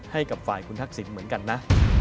ให้กับฝ่ายคุณทักษิณเหมือนกันนะ